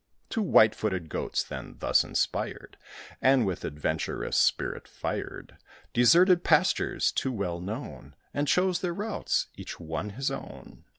Two white foot Goats, then, thus inspired, [Illustration: THE TWO GOATS.] And with adventurous spirit fired, Deserted pastures too well known, And chose their routes, each one his own.